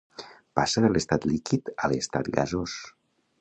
Passa de l'estat líquid a l'estat gasós.